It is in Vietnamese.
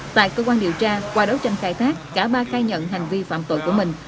tại cơ quan điều tra qua đấu tranh khai thác cả ba khai nhận hành vi phạm tội của mình